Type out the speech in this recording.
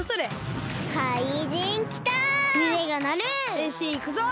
へんしんいくぞ！